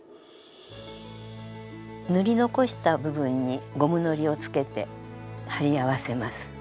塗り残した部分にゴムのりをつけて貼り合わせます。